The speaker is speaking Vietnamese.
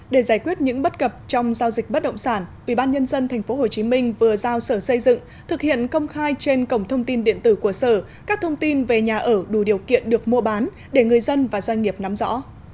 để giải quyết những bất cập trong giao dịch bất động sản ubnd tp hcm vừa giao sở xây dựng thực hiện công khai trên cổng thông tin điện tử của sở các thông tin về nhà ở đủ điều kiện được mua bán để người dân và doanh nghiệp nắm rõ